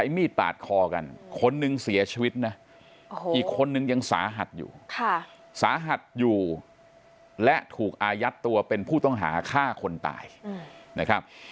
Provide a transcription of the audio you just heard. อีกคนนึงยังสาหัสอยู่สาหัสอยู่และถูกอายัดตัวเป็นผู้ต้องหาฆ่าคนตายนะครับ